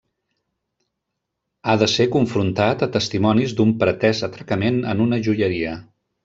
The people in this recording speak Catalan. Ha de ser confrontat a testimonis d'un pretès atracament en una joieria.